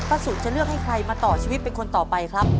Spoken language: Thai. สุจะเลือกให้ใครมาต่อชีวิตเป็นคนต่อไปครับ